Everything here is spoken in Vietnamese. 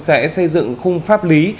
sẽ xây dựng khung pháp lý